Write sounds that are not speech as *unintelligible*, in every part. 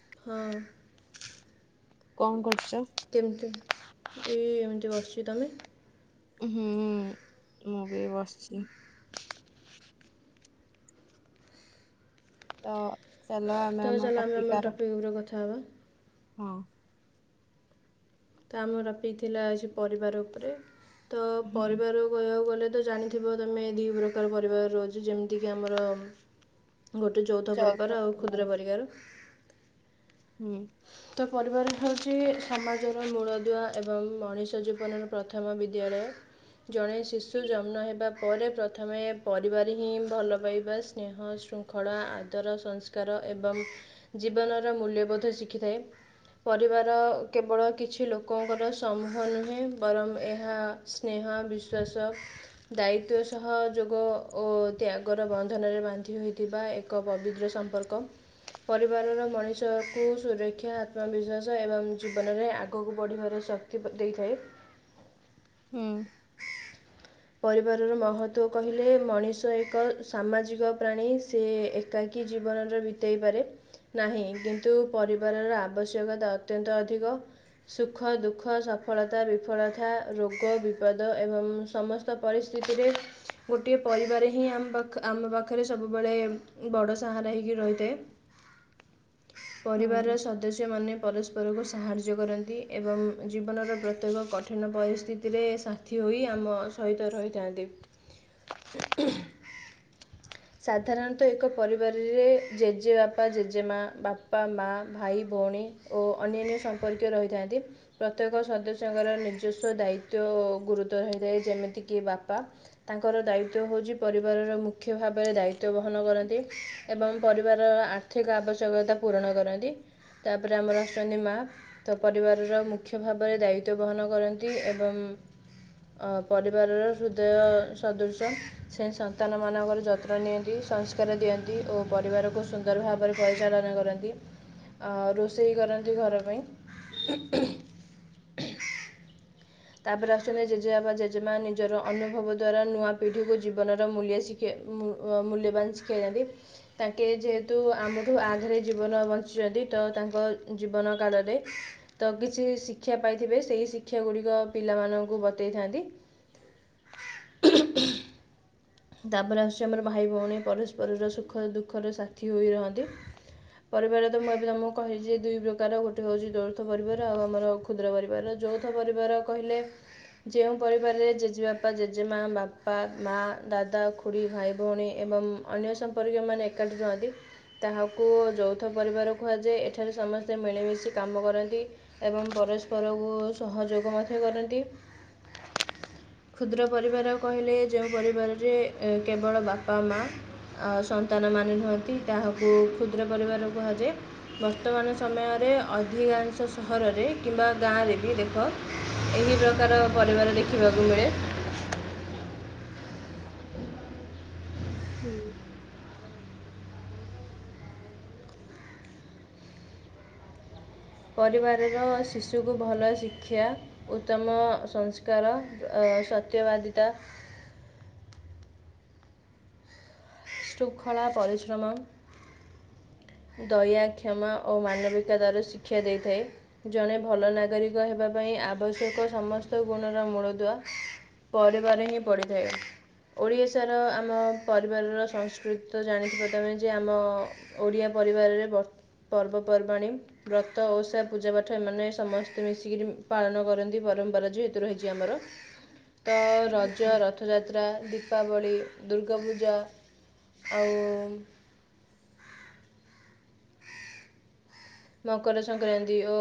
ହୁଁ। କଣ କରୁଛ? କେମତି ଏ ଏମିତି ବସିଛି ତମେ? ହୁଁ ମୁଁ ବି ବସିଛି। ତ ଚାଲ ଆମେ ତ ଆମ ଚାଲ ଆମେ ଟପିକ ଆର ଟପିକ୍ କଥା ହବା। ହଁ। ତ ଆମ ଚପି ଥିଲା ଏ ସେ ପରିବାର ଉପରେ ତ ହୁଁ ପରିବାର କହିବାକୁ ଗଲେ ତ ଜାଣି ଥିବ ତମେ ଦୁଇ ପ୍ରକାର ପରିବାର ରହୁଛ ଯେମିତିକି ଆମର ଗୋଟେ ଯୌଥ ପରିବାର ଆଉ କ୍ଷୁଦ୍ର ପରିବାର। ହୁଁ ଯୌଥ ପରିବାର ହେଉଛି ସମାଜ ମୂଳଦୁଆ ଏବଂ ମଣିଷ ଜୀବନର ପ୍ରଥମ ବିଦ୍ୟାଳୟ। ଜଣେ ଶିଶୁ ଜନ୍ମ ହେବା ପରେ ପ୍ରଥମେ ପରିବାର ହିଁ ଭଲ ପାଇବା ସ୍ନେହ ଶୃଙ୍ଖ ଖଳା ଆଦର ସଂସ୍କାର ଏବଂ ଜୀବନର ମୂଲ୍ୟବୋଧ ଶିଖିଥାଏ। ପରିବାର କେବଳ କିଛି ଲୋକଙ୍କର ସମୂହ ନୁହେଁ ବରଂ ଏହା ସ୍ନେହ, ବିଶ୍ୱାସ ଦାୟିତ୍ୱ ସହ ଯୋଗ ଓ ତ୍ୟାଗର ବନ୍ଧନରେ ବାନ୍ଧି ହୋଇଥିବା ଏ କ ପବିତ୍ର ସମ୍ପର୍କ। ପରିବାରର ମଣିଷକୁ ସୁରକ୍ଷା, ଆତ୍ମବିଶ୍ୱାସ ଏବଂ ଜୀବନରେ ଆଗ ଆଗକୁ ବଢ଼ିବାର ଶକ୍ତି ପ୍ର ଦେଇଥାଏ। ହଁ। ପରିବାରର ମହତ୍ଵ କହିଲେ ମଣିଷ ଏକ ସାମାଜିକ ପ୍ରାଣୀ ସେ ଏ ଏକାକି ଜୀବନରେ ବିତେଇ ପାରେ ନାହିଁ କିନ୍ତୁ ପରିବାରର ଆବଶ୍ୟକତା ଅତ୍ୟନ୍ତ ଅଧିକ। ସୁଖ, ଦୁଃଖ, ସଫଳତା, ବିଫଳତା, ରୋଗ, ବିପଦ ଏବଂ ସମସ୍ତ ତ ପରିସ୍ଥିତିରେ ଗୋଟିଏ ପରିବାର ହିଁ ଆମ ପାଖ ଆମ ପାଖରେ ସବୁବେଳେ ବଡ଼ ସାହାରା ହେଇକି ରହିଥାଏ। *inaudible* ପରିବାରର ହୁଁ ସଦସ୍ୟମାନେ ପରସ୍ପରକୁ ସାହାଯ୍ୟ କରନ୍ତି। ଏବଂ ଜୀବନର ପ୍ରତ୍ୟେକ କଠିନ ପରିସ୍ଥିତିରେ ସାଥି ହୋଇ ଆମ ସହିତ ରହିଥାନ୍ତି। ହୁଁ ହ ସାଧାରଣତଃ ଏକ ପରିବାରରେ ଜେଜେବାପା, ଜେଜେମା, ବାପା, ମା, ଭାଇ, ଭଉଣୀ ଓ ଅନ୍ୟାନ୍ୟ ସମ୍ପର୍କୀୟ ରହିଥାନ୍ତି। ପ୍ରତ୍ୟେକ ସଦସ୍ୟଙ୍କର ନିଜସ୍ୱ ଦାୟିତ୍ଵ ଗୁରୁତର ହୋଇଥାଏ ଯେମିତିକି ବାପା ତାଙ୍କର ଦାୟିତ୍ୱ ହେଉଛି ପରିବାରର ମୁଖ୍ୟ ଖ୍ୟ ଭାବରେ ଦାୟିତ୍ୱ ବହନ କରନ୍ତି ଏବଂ ପରିବାରର ଆର୍ଥିକ ଆବଶ୍ୟକତା ପୂରଣ କରନ୍ତି। ତାପରେ ଆମର ଆସୁଛନ୍ତି ମା ତ ପରିବାରର ମୁଖ୍ୟ ଭାବରେ ଦାୟିତ୍ୱ ବହନ କରନ୍ତି ଏବଂ ପରିବାରର ହୃଦୟ ସଦୃଶ ସେ ସନ୍ତାନ ମାନଙ୍କର ଯତ୍ନ ନିଅନ୍ତି ସଂସ୍କାର ଦିଅନ୍ତି ଓ ପରିବାରକୁ ସୁ ସୁନ୍ଦର ଭାବରେ ପରିଚାଳନା କରନ୍ତି ଆ ରୋଷେଇ କରନ୍ତି ଘର ପାଇଁ ଉଁ ହୁଁ ତାପରେ ଆସୁଛନ୍ତି ଜେଜେବାପା ଜେଜେମା ନିଜର ଅନୁଭବ ଦ୍ଵାରା ନୂଆ ପିଢିକୁ ଜୀବନର ମୂଲ୍ୟ ଶିକ କେ ମୁ ମୂଲ୍ୟବାନ ଶିଖେଇଥାଆନ୍ତି। ତାଙ୍କେ ଯେହେତୁ ଆମଠୁ ଆଗରେ ଜୀବନ ବଞ୍ଚିଛନ୍ତି ତ ତାଙ୍କ ଜୀବନ କାଳରେ ତ କିଛି ଶିକ୍ଷା ପାଇଥିବେ ସେଇ ଶିକ୍ଷା ଗୁଡ଼ିକ ପିଲାମାନଙ୍କୁ ବତେଇଥାନ୍ତି ତାପରେ ଆସୁଛି ଆମର ଭାଇ ଭଉଣୀ ପରସ୍ପରର ସୁଖ ଦୁଃଖର ସାଥିୀ ହୋଇ ରହନ୍ତି। ପରିବାର ତ ମୁଁ ଏବେ ତମକୁ କହଛି ଯେ ଦୁଇ ପ୍ରକାର ଗୋଟେ ହେଉଛି ଯୌଥ ପରିବାର ଆଉ ଆମର କ୍ଷୁଦ୍ର ପରିବାରର ଯୌଥ ପରିବାର କହିଲେ ଯେଉଁ ପରିବାରରେ ଜେଜେବାପା, ଜେଜେମା, ବାପା, ମା ଦାଦା, ଖୁଡ଼ି, ଭାଇ, ଭଉଣୀ ଏବଂ ଅନ୍ୟ ସମ୍ପର୍କୀୟ ମାନେ ଏକାଠି ରୁହନ୍ତି। ତାହାକୁ ଯୌଥ ପରିବାର କୁହାଯାଏ। ଏଠାରେ ସମସ୍ତେ ମିଳିମିଶି କାମ କରନ୍ତି। ଏବଂ ପରସ୍ପରକୁ ସହଯୋଗ ମଧ୍ୟ କରନ୍ତି। କ୍ଷୁଦ୍ର ପରିବାର କହିଲେ ଯୋଉଁ ପରିବାର ରେ କେବଳ ବାପା ମା ଆ ସନ୍ତାନ ମାନେ ରୁହନ୍ତି ତାହାକୁ କ୍ଷୁଦ୍ର ପରିବାର କୁହାଯାଏ। ବର୍ତ୍ତମାନ ସମୟରେ ଅଧିକାଂଶ ସହରରେ କିମ୍ବା ଗାଁରେ ବି ଦେଖ ଏହି ପ୍ରକାର ପରିବାର ଦେଖିବାକୁ ମିଳେ। ହୁଁ। ପରିବାରର ଶିଶୁକୁ ଭଲ ଶିକ୍ଷା ଉତ୍ତମ ସଂସ୍କାର ସତ୍ୟବାଦିତା ଶୃଙ୍ଖଳା, ପରିଶ୍ରମ ଦୟା, କ୍ଷମା ଓ ମାନବିକତାର ଶିକ୍ଷା ଦେଇଥାଏ। ଜଣେ ଭଲ ନାଗରିକ ହେବା ପାଇଁ ଆବଶ୍ୟକ ସମସ୍ତ ଗୁଣର ମୂଳଦୁଆ। ପରିବାର ହିଁ ପଡ଼ିଥାଏ। ଓଡ଼ିଶାର ଆମ ପରିବାରର ସଂସ୍କୃତି ତ ଜାଣିଥିବ ତମେ ଯେ ଆମ ଓଡ଼ିଆ ପରିବାରରେ ପର୍ବପର୍ବାଣି ବ୍ରତ ଓଷା ପୂଜା ପାାଠ ଏମାନେ ସମସ୍ତେ ମିଶିକିରି ପାଳନ କରନ୍ତି ପରମ୍ପରା ଯେହେତୁ ରହିଛି ଆମର ତ ରଜ ରଥ ରଥଯାତ୍ରା, ଦୀପାବଳି, ଦୁର୍ଗା ପୂଜା ଆଉ ମକର ସଂକ୍ରାନ୍ତି ଓ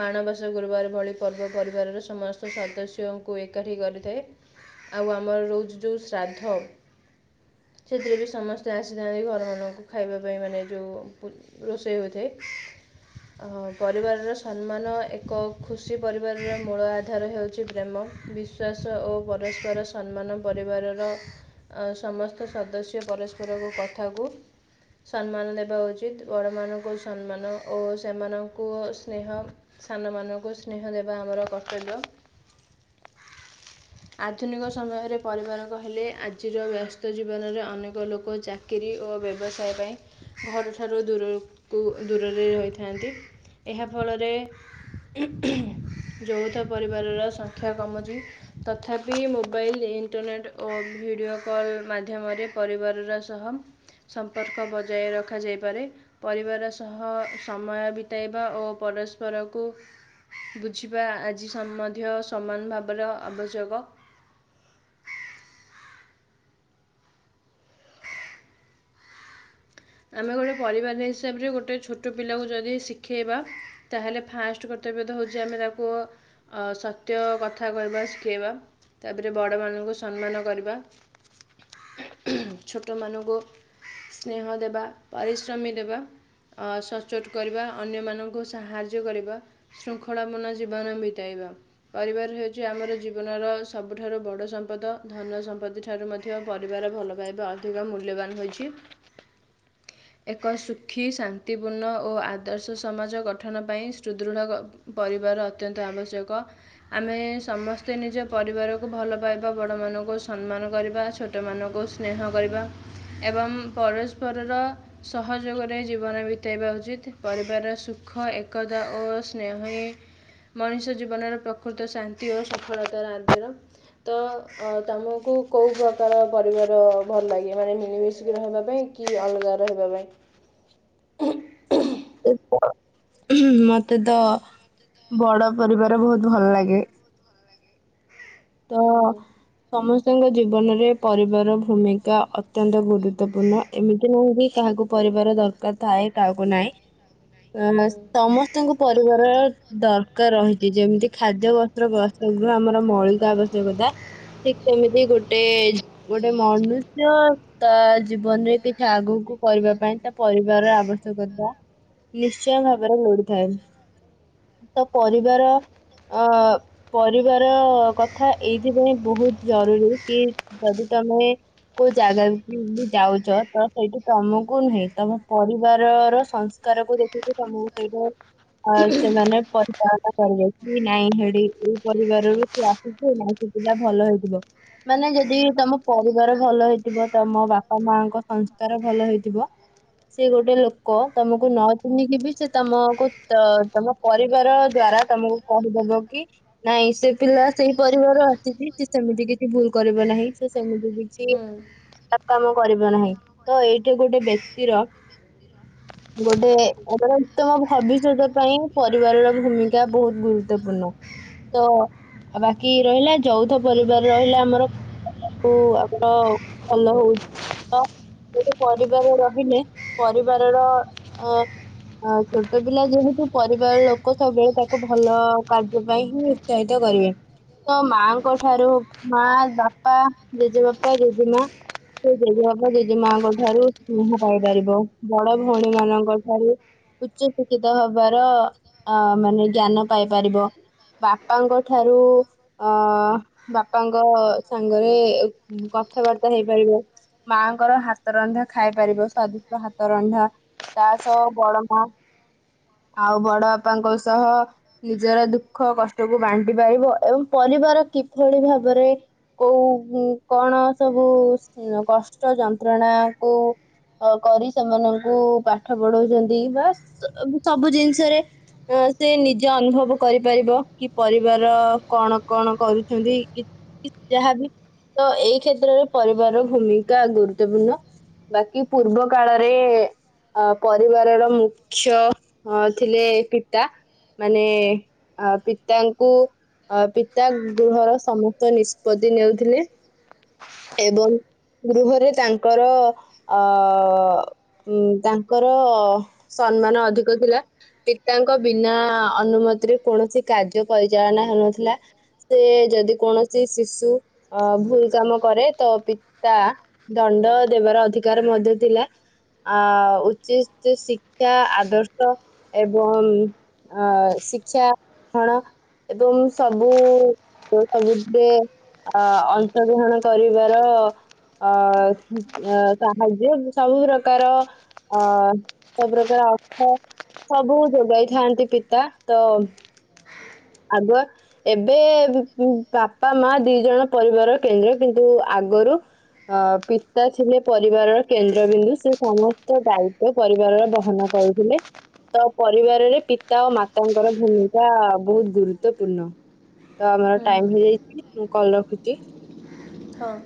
ମାଣବସା ଗୁରୁବାର ଭଳି ପର୍ବ ପରିବାରର ସମସ୍ତ ସଦସ୍ୟଙ୍କୁ ଏକାଠି କରିଥାଏ। ଆଉ ଆମର ରହୁଛି ଯଉ ଶ୍ରାଦ୍ଧ ସେଥିରେ ବି ସମସ୍ତେ ଆସିଥାନ୍ତି ଘରମାନଙ୍କୁ ଖାଇବା ପାଇଁ ମାନେ ଯେଉଁ ରୋଷେଇ ହୋଇଥାଏ ପରିବାରର ସମ୍ମାନ ଏକ ଖୁସି ପରିବାରର ମୂଳ ଆଧାର ହେଉଛି ପ୍ରେମ ବି ବିଶ୍ୱାସ ଓ ପରସ୍ପର ସମ୍ମାନ ପରିବାରର ଆ ସମସ୍ତ ସଦସ୍ୟ ପରସ୍ପରକୁ କଥାକୁ ସମ୍ମାନ ଦେବା ଉଚିତ ବଡ଼ମାନଙ୍କୁ ସମ୍ମାନ ଓ ସେମାନଙ୍କୁ ସ୍ନେହ ସାନମାନଙ୍କୁ ସ୍ନେହ ଦେବା ଆମର କର୍ତ୍ତବ୍ୟ ଆଧୁନିକ ସମୟରେ ପରିବାର କହିଲେ ଆଜିର ବ୍ୟସ୍ତ ଜୀବନରେ ଅନେକ ଲୋକ ଚା ଚାକିରି ଓ ବ୍ୟବସାୟ ପାଇଁ ଘରଠାରୁ ଦୂରକୁ ଦୂର ଏକାଠି ହୋଇଥାନ୍ତି ଏହା ଫଳ ରେ ଯୌଥ ପରିବାରର ସଂଖ୍ୟା କମୁଛି ତଥାପି ମୋବାଇଲ ଇଣ୍ଟରନେଟ୍ ଓ ଭିଡ଼ିଓ କଲ୍ ମାଧ୍ୟମରେ ପରିବାରର ସହ ସମ୍ପର୍କ ବଜାୟ ରଖାଯାଇପାରେ ପରିବାର ସହ ସମୟ ବିତାଇବା ଓ ପରସ୍ପରକୁ ବୁଝିବା ଆଜି ସମ୍ ମଧ୍ୟ ସମାନ ଭାବର ଆବଶ୍ୟକ। ଆମେ ଗୋଟେ ପରିବାର ହିସାବରେ ଗୋଟେ ଛୋଟ ପିଲାକୁ ଯଦି ଶିଖେଇବା ତାହେଲେ ଫାଷ୍ଟ କର୍ତ୍ତବ୍ୟ ତ ହଉଛି ଆମେ ତାକୁ ଅ ସତ୍ୟ କଥା କହିବା ଶିଖେଇବା ତାପରେ ବଡ଼ମାନଙ୍କୁ ସମ୍ମାନ କରିବା ଛୋଟମାନଙ୍କୁ ସ୍ନେହ ଦେବା ପରିଶ୍ରମୀ ଦେବା ସଚ୍ଚୋଟ କରିବା ଅନ୍ୟମାନଙ୍କୁ ସାହାଯ୍ୟ କରିବା ଶୃଙ୍ଖଳାପନ ଜୀବନ ବିତାଇବା। ପରିବାର ହେଉଛି ଆମର ଜୀବନର ସବୁଠାରୁ ବଡ ସମ୍ପଦ ଧନ ସମ୍ପତ୍ତି ଠାରୁ ମଧ୍ୟ ପରିବାର ଭଲ ପାଇବା ଅଧିକ ମୂଲ୍ୟବାନ ହୋଇଛି ଏକ ସୁଖୀ ଶାନ୍ତିପୂର୍ଣ୍ଣ ଓ ଆଦର୍ଶ ସମାଜ ଗଠନ ପାଇଁ ସୁଦୃଢ଼ ପରିବାର ଅତ୍ୟନ୍ତ ଆବଶ୍ୟକ ଆମେ ସମସ୍ତେ ନିଜ ପରିବାରକୁ ଭଲ ପାଇବା ବଡ଼ମାନଙ୍କୁ ସମ୍ମାନ କରିବା ଛ ଛୋଟମାନଙ୍କୁ ସ୍ନେହ କରିବା ଏବଂ ପର ପରସ୍ପରର ସହଯୋଗରେ ଜୀବନ ବିତାଇବା ଉଚିତ ପରିବାରର ସୁଖ ଏକତା ଓ ସ୍ନେହ ମଣିଷ ଜୀବନର ପ୍ରକୃତ ଶାନ୍ତି ଓ ସଫଳତାର ଆଧାର ତ ତମକୁ କୋଉ ପ୍ରକାର ପରିବାର ଭଲ ଲାଗେ ମାନେ ମିଳିମିଶି ଯିଏ ରହିବା ପାଇଁ। କି ଅଲଗା ରହିବା ପାଇଁ। ମତେ ତ ବଡ ପରିବାର ବହୁତ ଭଲ ଲାଗେ। ତ। ହୁଁ ସମସ୍ତଙ୍କ ଜୀବନରେ ପରିବାର ଭୂମିକା ଅତ୍ୟନ୍ତ ଗୁରୁତ୍ୱପୂର୍ଣ୍ଣ। ଏମିତି ନାହିଁ ବି କାହାକୁ ପରିବାର ଦରକାର ଥାଏ କାହାକୁ ନାହିଁ। ହୁଁ ସମସ୍ତ ଙ୍କୁ ପରିବାରର ଦରକାର ରହିଛି। ଯେମିତି ଖାଦ୍ୟ ବସ୍ତ୍ର ରହିବା ଆମର ମଇ ଆବଶ୍ୟକତା ଠିକ୍ ସେମିତି ଗୋଟେ ଗୋଟେ ମନୁଷ୍ୟ ତା ଜୀବନରେ କିଛି ଆଗକୁ କରିବା ପାଇଁ ତା ପରିବାରର ଆବଶ୍ୟକତା ନିଶ୍ଚୟ ଭାବରେ ଲଢିଥାଏ। ତ ପରିବାର ଅ ପରିବାର କଥା ତଥା ଏଇଥିପାଇଁ ବହୁତ ଜରୁରୀ। କି ଯଦି ତମେ କୋଉ ଜାଗା କି ଯାଉଛ ତ ସେଇଠି ତମକୁ ନୁହେଁ। ତମ ପରିବାରର ସନ୍ କାରକୁ ଦେଖିକି ତମକୁ ସେଇଠେ ଆ ସେମାନେ ପରିଚାଳନା କରିବେ। କି ନାଇଁ ହେଇଟି ପରିବାରରୁ ସିଏ ଆସି କିଛି ନାଇଁ ସେ ପା ଭଲ ହେଇଥିବ। ମାନେ ଯଦି ତମ ପରିବାର ଭଲ ହେଇଥିବ। ତମ ବାପା ମାଙ୍କ ସଂସ୍କାର ଭଲ ହେଇଥିବ। ସେ ଗୋଟେ ଲୋକ ତମକୁ ନ ଚିହ୍ନିକି ବି ସେ ତମକୁ ତମ ପରିବାର ଦ୍ଵାରା ତମକୁ କହିଦବ କି ନାଇଁ ସେ ପିଲା ସେଇ ପରିବାର ଆସିଛି। ସେ ସେମିତି କିଛି ଭୁଲ କରିବ ନାହିଁ। ସେ ସେମିତି କିଛି ତା କାମ କରିବ ନାହିଁ। ତ ଏଇଠି ଗୋଟେ ବ୍ୟକ୍ତିର ଗୋଟେ ଆମର ଉତ୍ତମ ଭବିଷ୍ୟତ ପାଇଁ ପରିବାରର ଭୂମିକା ବହୁତ ଗୁରୁତ୍ୱପୂର୍ଣ୍ଣ। ତ ଆଉ ବାକି ରହିଲା ଯୌଥ ପରିବାର ରହିଲା। ଆମର *unintelligible* ଭଲ ହଉ। ତ ସେ ପରିବାର ରହିଲେ। ପରିବାରର ଅ ଆ ଛୋଟ ପିଲା ଯେହେତୁ ପରିବାର ଲୋକ ସବୁବେଳେ ତାକୁ ଭଲ କାର୍ଯ୍ୟ ପାଇଁ ହିଁ ଉତ୍ସାହିତ କରିବେ। ତ ମାଙ୍କ ଠାରୁ ମା, ବାପା, ଜେଜେବାପା, ଜେଜେମା। ସେ ଜେଜେବାପା, ଜେଜେମାଙ୍କ ଠାରୁ ସ୍ନେହ ପାଇପାରିବ। ବଡ ଭଉଣୀ ମାନଙ୍କ ଠାରୁ ଉଚ୍ଚ ଶିକ୍ଷିତ ହବାର ଅ ମାନେ ଜ୍ଞାନ ପାଇପାରିବ। ବାପାଙ୍କ ଠାରୁ ଅ ବାପାଙ୍କ ସାଙ୍ଗରେ କଥାବାର୍ତ୍ତା ହେଇପାରିବ। ମାଆଙ୍କର ହାତ ରନ୍ଧା ଖାଇପାରିବ। ସ୍ବାଦିଷ୍ଟ ହାତ ରନ୍ଧା। ତା ସହ ବଡ ମା। ଆଉ ବଡ ବାପାଙ୍କ ସହ ନିଜର ଦୁଃଖ କଷ୍ଟକୁ ବାଣ୍ଟି ଣ୍ଟି ପାରିବ ଏବଂ ପରିବାର କିଭଳି ଭାବରେ କୋଉ କଣ ସବୁ କଷ୍ଟ ଯନ୍ତ୍ରଣାକୁ ଅ କରି ସେମାନଙ୍କୁ ପାଠ ପଢଉଛନ୍ତି। ବା ସବୁ ଜିନିଷରେ ସେ ନିଜେ ଅନୁଭବ କରିପାରିବ। କି ପରି ପରିବାର କଣ କଣ କରୁଛନ୍ତି। କି ଯାହାବି। ତ ଏଇ କ୍ଷେତ୍ରରେ ପରିବାରର ଭୂମିକା ଗୁରୁତ୍ୱପୂର୍ଣ୍ଣ। ବାକି ପୂର୍ବ କାଳରେ ଅ ପରିବାରର ମୁଖ୍ୟ ହଁ ଥିଲେ ପିତା। ମାନେ ପିତା କୁ ଅ ପିତା ଗୃହର ସମସ୍ତ ନିଷ୍ପତ୍ତି ନେଉଥିଲେ। ଏବଂ ଗୃହରେ ତାଙ୍କର ଅ ଉଁ ତାଙ୍କର ସମ୍ମାନ ଅଧିକ ଥିଲା। ପିତାଙ୍କ ବିନା ଅନୁମତିରେ କୌଣସି କାର୍ଯ୍ୟ ପରିଚାଳନା ହେଉନଥିଲା। ସେ ଯଦି କୌଣସି ଶିଶୁ ଅ ଭୁଲ କାମ କରେ। ତ ପିତା ଦଣ୍ଡ ଦେବାର ଅଧିକାର ମଧ୍ୟ ଥିଲା। ଆ ଉଚିତ ଶିକ୍ଷା ଆଦର୍ଶ ଏବଂ ଅ ଶିକ୍ଷା କଣ? ଏବଂ ସବୁ *unintelligible* ଅ ଅଂଶଗ୍ରହଣ କରିବାର ଆ ଆ ସାହାଯ୍ୟ ସବୁ ପ୍ରକାର ଅ ସବୁ ପ୍ରକାର ଅଥ ସବୁ ଯୋଗାଇଥାନ୍ତି ପିତା ତ ଆଗୁଆ। ଏବେ ବାପା ମା ଦି ଜଣ ପରିବାର କେନ୍ଦ୍ର। କିନ୍ତୁ ଆଗରୁ ଅ ପିତା ଥିଲେ ପରିବାରର କେନ୍ଦ୍ରବିନ୍ଦୁ, ସେ ସମସ୍ତ ଦାୟିତ୍ୱ ପରିବାରର ବହନ କରୁଥିଲେ ତ ପରିବାରରେ ପିତା ଓ ମାତାଙ୍କର ଭୂମିକା ବହୁତ ଗୁରୁତ୍ୱପୂର୍ଣ୍ଣ। ତ ହୁଁ ଆମର ଟାଇମ ହୁଁ ହେଇଯାଇଛି ମୁଁ କଲ ରଖୁଛି। ହଁ।